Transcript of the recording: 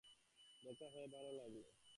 দেখা হয়ে ভালো লাগলো।